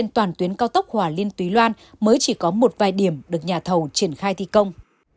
toàn tuyến cao tốc hòa liên túy loan mới chỉ có một vài điểm được nhà thầu triển khai thi công